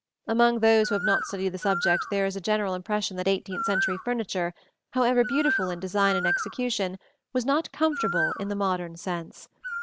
Among those who have not studied the subject there is a general impression that eighteenth century furniture, however beautiful in design and execution, was not comfortable in the modern sense.